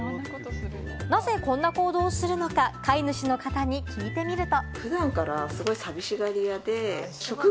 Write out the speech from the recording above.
なぜこんな行動をするのか、飼い主の方に聞いてみると。